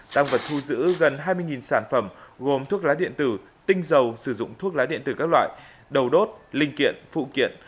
tăng vật thu giữ gần hai mươi sản phẩm gồm thuốc lá điện tử tinh dầu sử dụng thuốc lá điện tử các loại đầu đốt linh kiện phụ kiện